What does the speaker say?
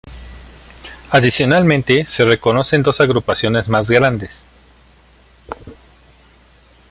Adicionalmente se reconocen dos agrupaciones más grandes.